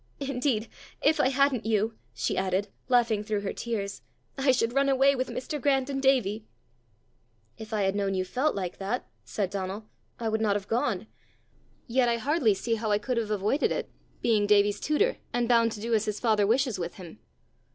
Indeed, if I hadn't you," she added, laughing through her tears, "I should run away with Mr. Grant and Davie!" "If I had known you felt like that," said Donal, "I would not have gone. Yet I hardly see how I could have avoided it, being Davie's tutor, and bound to do as his father wishes with him.